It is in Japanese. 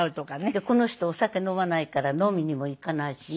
でこの人お酒飲まないから飲みにも行かないしね。